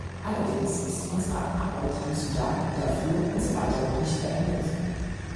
Allerdings ist unsere Arbeit im Sudan Darfur und so weiter noch nicht beendet.